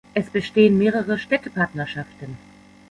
Es bestehen mehrere Städtepartnerschaften.